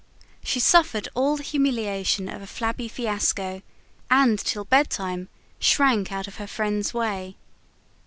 She suffered all the humiliation of a flabby fiasco, and, till bedtime, shrank out of her friends' way.